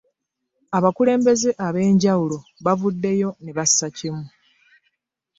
Abakulembeze ab'enjawulo bavuddeyo ne bassa kimu.